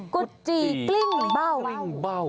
กุจีกลิ้งเบ้า